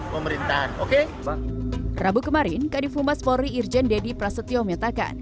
pemerintahan oke bang rabu kemarin kadif umar spori irjen dedy prasetyo menyatakan